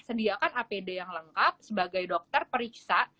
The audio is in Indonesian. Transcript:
sediakan apd yang lengkap sebagai dokter periksa